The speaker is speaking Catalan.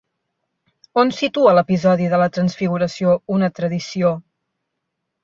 On situa l'episodi de la transfiguració una tradició?